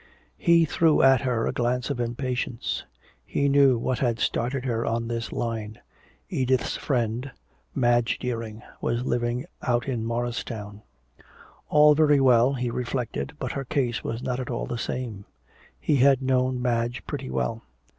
He threw at her a glance of impatience. He knew what had started her on this line. Edith's friend, Madge Deering, was living out in Morristown. All very well, he reflected, but her case was not at all the same. He had known Madge pretty well.